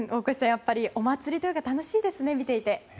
やっぱりお祭りというのは楽しいですね、見ていて。